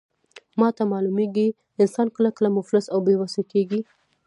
ماته معلومیږي، انسان کله کله مفلس او بې وسه کیږي.